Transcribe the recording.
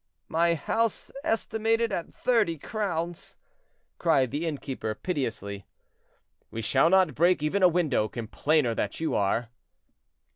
"My house estimated at thirty crowns!" cried the inn keeper, piteously. "We shall not break even a window; complainer that you are."